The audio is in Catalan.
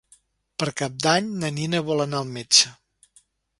Per Cap d'Any na Nina vol anar al metge.